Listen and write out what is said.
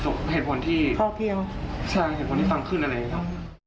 ใช่เหตุผลที่ฟังขึ้นอะไรอย่างนี้ครับ